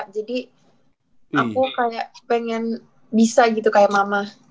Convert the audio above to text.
jadi aku kayak pengen bisa gitu kayak mama